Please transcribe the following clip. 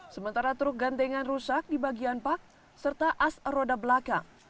sementara truk gandengan rusak di bagian park serta as roda belakang